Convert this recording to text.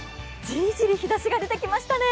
じりじり日ざしが出てきましたね。